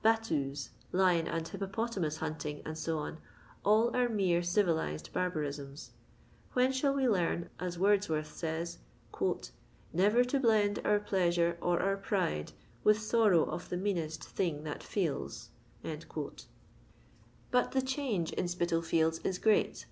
Battues, lion and hippopotamus hunting, &c., — all are mere civilixed barbarismt. When ihiUl we learn, as Wordsworth says, *' Never to blend our pleasure or our pride With lorrow of the meanest thing that feels. But the change in Spitalfields is great.